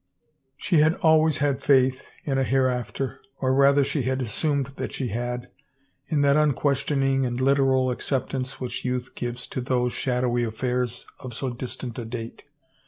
She had always had faith in a hereafter, oi' rather she had assumed that she had, in that unques tioning and literal acceptance which youth gives to those shadowy affairs of so distant a date.